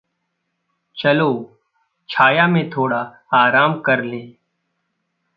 चलो छाया में थोड़ा आराम करलें।